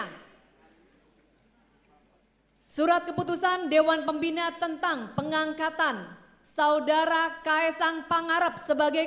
surat keputusan dewan pembina tentang pengangkatan saudara kaisang pangarep sebagai